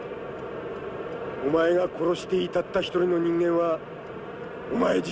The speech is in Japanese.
お前が殺していいたった一人の人間はお前自身だ。